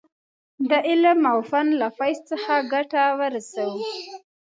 د علم او فن له فیض څخه ګټه ورسوو.